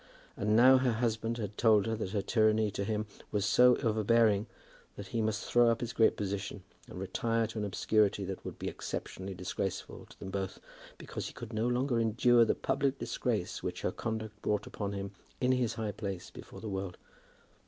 And now her husband had told her that her tyranny to him was so overbearing that he must throw up his great position, and retire to an obscurity that would be exceptionally disgraceful to them both, because he could no longer endure the public disgrace which her conduct brought upon him in his high place before the world!